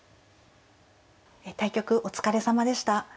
対局お疲れさまでした。